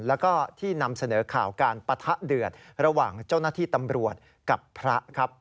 แล้วก็ที่นำเสนอข่าวการปะทะเดือดระหว่างเจ้าหน้าที่ตำรวจกับพระครับ